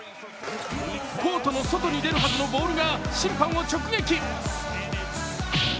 コートの外に出るはずのボールが審判を直撃。